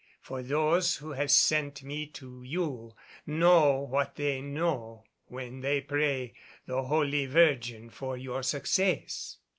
For those who have sent me to you know what they know when they pray the Holy Virgin for your success."